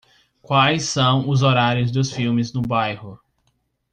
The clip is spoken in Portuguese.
Quais são os horários dos filmes no bairro?